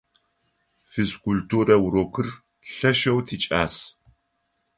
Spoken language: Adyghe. Физкультурэ урокыр лъэшэу тикӏас.